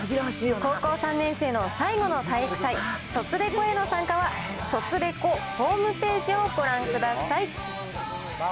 高校３年生の最後の体育祭、ソツレコへの参加は、＃ソツレコのホームページをご覧ください。